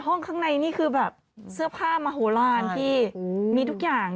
ห้องข้างในนี่คือแบบเสื้อผ้ามโหลานที่มีทุกอย่าง